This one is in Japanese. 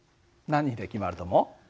何で決まると思う？